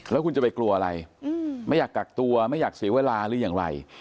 แล้วคุณจะไปกลัวอะไรไม่อยากกักตัวไม่อยากเสียเวลาหรืออย่างไร